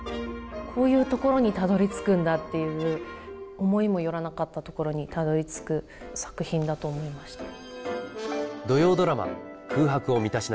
こういうところにたどりつくんだっていう思いも寄らなかったところにたどりつく作品だと思いました。